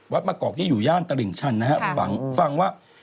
วัดมะกอกที่อยู่ย่านตะหลิงชันนะฮะฟังว่า